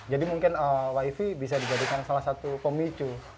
jadi mungkin wifi bisa dibadikan salah satu pemicu